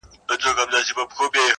ستونی د شپېلۍ به نغمه نه لري!.